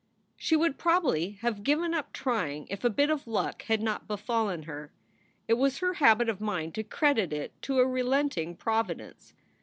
She would probably have given up trying if a bit of luck had not befallen her. It was her habit of mind to credit it to a relenting Providence.